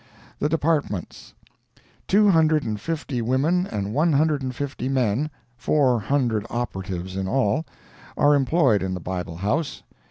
THE DEPARTMENTS Two hundred and fifty women and one hundred and fifty men—four hundred operatives in all—are employed in the Bible House.